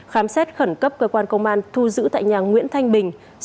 khám xét khẩn cấp cơ quan công an thu giữ tại nhà nguyễn thanh bình